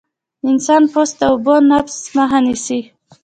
د انسان پوست د اوبو د نفوذ مخه نیسي.